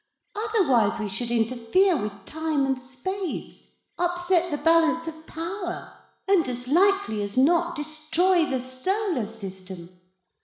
Otherwise we should interfere with time and space, upset the balance of power, and as likely as not destroy the solar system.